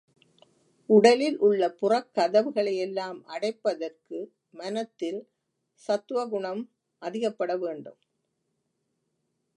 உடலில் உள்ள புறக் கதவுகளை எல்லாம் அடைப்பதற்கு மனத்தில் சத்துவகுணம் அதிகப்பட வேண்டும்.